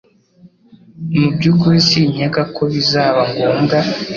Mubyukuri sinkeka ko bizaba ngombwa